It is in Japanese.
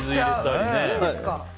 いいんですか。